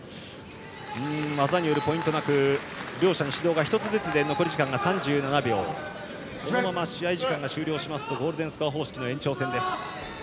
技によるポイントなく両者に指導が１つずつでこのまま試合時間が終了しますとゴールデンスコア方式の延長戦です。